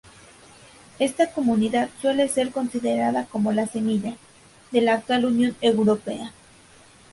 Esta comunidad suele ser considerada como la "semilla" de la actual Unión Europea.